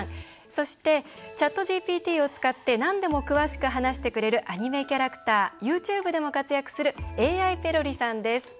そして、ＣｈａｔＧＰＴを使ってなんでも詳しく話してくれるアニメキャラクターＹｏｕＴｕｂｅでも活躍する瑛あいペロリさんです。